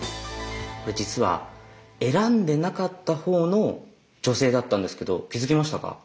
これ実は選んでなかったほうの女性だったんですけど気付きましたか？